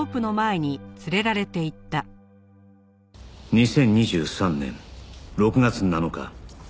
「２０２３年６月７日」